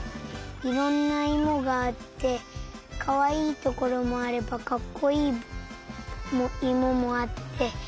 いろんないもがあってかわいいところもあればかっこいいいももあってよかったです。